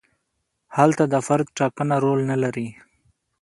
هلته د فرد ټاکنه رول نه لري.